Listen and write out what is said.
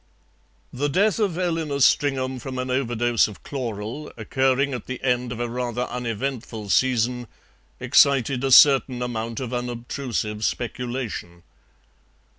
The death of Eleanor Stringham from an overdose of chloral, occurring at the end of a rather uneventful season, excited a certain amount of unobtrusive speculation.